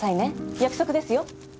約束ですよ。